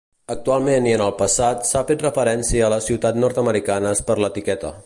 Actualment i en el passat s'ha fet referència a les ciutats nord-americanes per l'etiqueta.